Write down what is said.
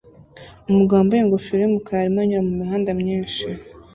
Umugabo wambaye ingofero yumukara arimo anyura mumihanda myinshi